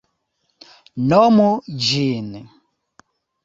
Nomu ĝin.